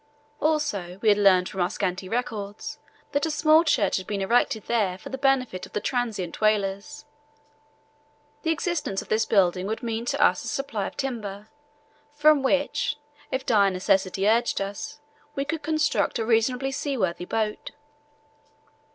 Also we had learned from our scanty records that a small church had been erected there for the benefit of the transient whalers. The existence of this building would mean to us a supply of timber, from which, if dire necessity urged us, we could construct a reasonably seaworthy boat.